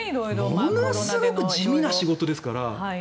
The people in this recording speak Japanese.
ものすごく地味な仕事ですから。